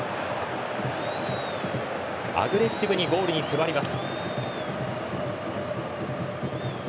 アグレッシブにゴールに迫ります。